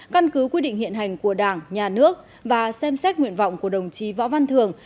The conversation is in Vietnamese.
căn cứ quy định hiện hành của đảng nhà nước và xem xét nguyện vọng của đồng chí võ văn thường